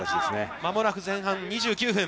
間もなく前半２９分。